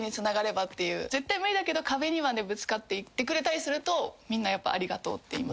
絶対無理だけど壁にまでぶつかって行ってくれたりするとみんなやっぱ「ありがとう」って。